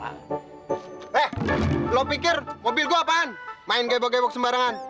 eh lo pikir mobil gue apaan main gebok gebok sembarangan